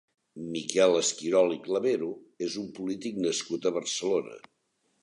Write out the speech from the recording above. Miquel Esquirol i Clavero és un polític nascut a Barcelona.